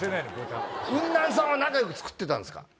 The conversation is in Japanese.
ウンナンさんは仲良く作ってたんですか？